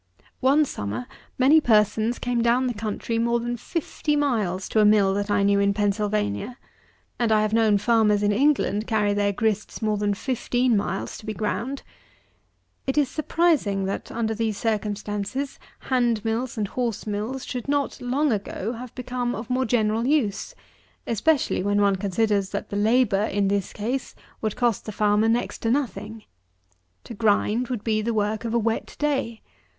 One summer many persons came down the country more than fifty miles to a mill that I knew in Pennsylvania; and I have known farmers in England carry their grists more than fifteen miles to be ground. It is surprising, that, under these circumstances, hand mills and horse mills should not, long ago, have become of more general use; especially when one considers that the labour, in this case, would cost the farmer next to nothing. To grind would be the work of a wet day.